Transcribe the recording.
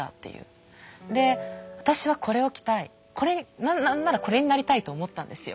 で私はこれを着たい何ならこれになりたいと思ったんですよ。